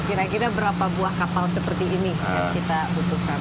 kira kira berapa buah kapal seperti ini yang kita butuhkan